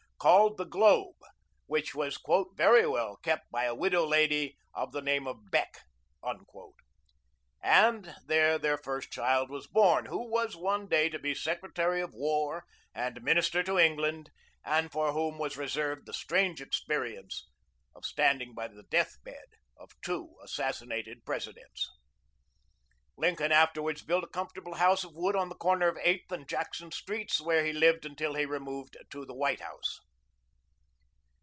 ] called "The Globe," which was "very well kept by a widow lady of the name of Beck," and there their first child was born, who was one day to be Secretary of War and Minister to England, and for whom was reserved the strange experience of standing by the death bed of two assassinated Presidents. Lincoln afterwards built a comfortable house of wood on the corner of Eighth and Jackson streets, where he lived until he removed to the White House.